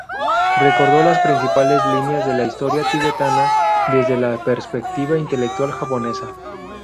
Recordó las principales líneas de la historia tibetana desde la perspectiva intelectual japonesa.